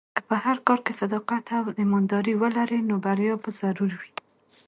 که په هر کار کې صداقت او ایمانداري ولرې، نو بریا به ضرور وي.